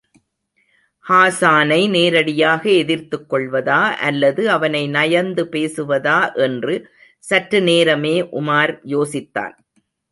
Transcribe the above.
ஹாஸானை நேரடியாக எதிர்த்துக் கொள்வதா அல்லது, அவனை நயந்து பேசுவதா என்று சற்றுநேரமே உமார் யோசித்தான்.